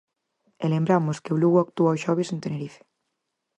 E lembramos que o Lugo actúa o xoves en Tenerife.